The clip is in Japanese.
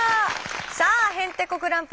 さあ「へんてこ★グランプリ」